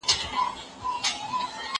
ما پرون د سبا لپاره د کتابونو مطالعه وکړ..